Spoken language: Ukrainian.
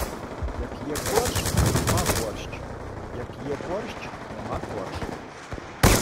Як є корж:, нема борщ, як є борщ, нема корж.